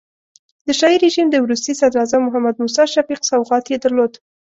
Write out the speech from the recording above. د شاهي رژیم د وروستي صدراعظم محمد موسی شفیق سوغات یې درلود.